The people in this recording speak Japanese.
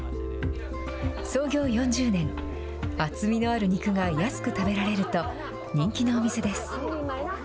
創業４０年、厚みのある肉が安く食べられると、人気のお店です。